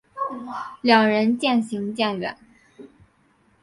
两人渐行渐远